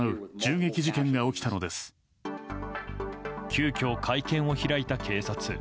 急きょ会見を開いた警察。